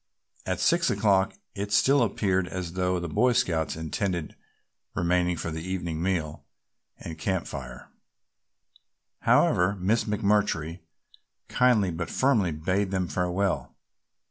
At six o'clock it still appeared as though the Boy Scouts intended remaining for the evening meal and camp fire; however, Miss McMurtry kindly but firmly bade them farewell.